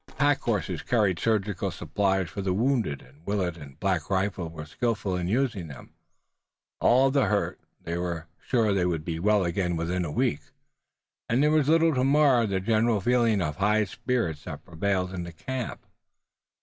The pack horses carried surgical supplies for the wounded, and Willet and Black Rifle were skillful in using them. All of the hurt, they were sure would be well again within a week, and there was little to mar the general feeling of high spirits that prevailed in the camp.